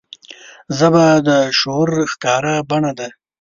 ژبه د شعور ښکاره بڼه ده